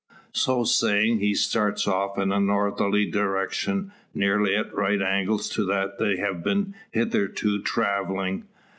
So saying, he starts off in a northerly direction, nearly at right angles to that they have been hitherto travelling.